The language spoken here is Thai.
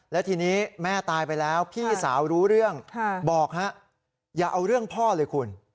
แล้วทีนี้แม่ตายไปแล้วพี่สาวรู้เรื่องบอกฮะอย่าเอาเรื่องพ่อเลยคุณ